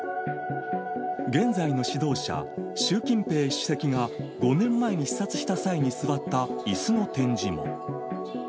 現在の指導者、習近平主席が、５年前に視察した際に座ったいすの展示も。